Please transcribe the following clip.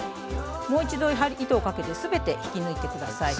もう一度糸をかけて全て引き抜いて下さい。